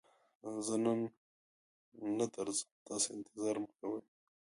زه نن نه درځم، تاسې انتظار مکوئ!